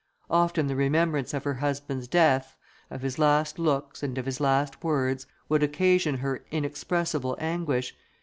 Often the remembrance of her husband's death, of his last looks, and of his last words, would occasion her inexpressible anguish.